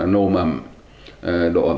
nồm ẩm độ ẩm